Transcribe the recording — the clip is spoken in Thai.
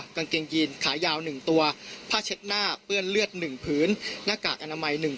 กางเกงยีนขายาว๑ตัวผ้าเช็ดหน้าเปื้อนเลือด๑ผืนหน้ากากอนามัย๑